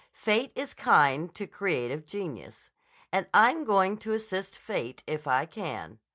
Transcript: Fate is kind to creative genius. And I'm going to assist Fate if I can.